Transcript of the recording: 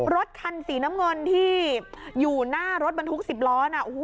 รถคันสีน้ำเงินที่อยู่หน้ารถบรรทุก๑๐ล้อนะ